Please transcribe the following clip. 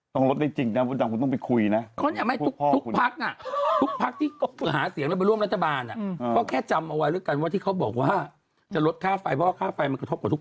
ตอนนี้ทุกคนเนี่ยต้องการให้ลดค่าไฟฟ้า